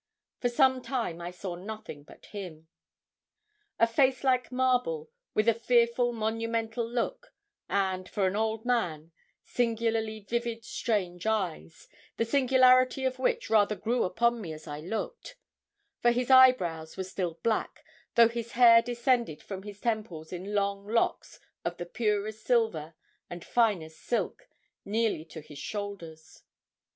For some time I saw nothing but him. A face like marble, with a fearful monumental look, and, for an old man, singularly vivid strange eyes, the singularity of which rather grew upon me as I looked; for his eyebrows were still black, though his hair descended from his temples in long locks of the purest silver and fine as silk, nearly to his shoulders.